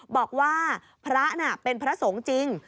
บอกว่าพระน่ะเป็นพระสงฆ์จริง